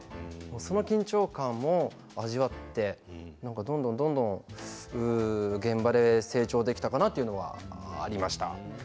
その緊張感も味わってどんどんどんどん現場で成長できたかなというのがありました。